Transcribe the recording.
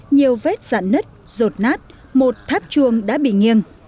nhiều vết dạn nứt rột nát một tháp chuông đã bị nghiêng